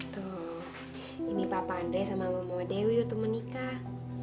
tuh ini papa andre sama mama dewi untuk menikah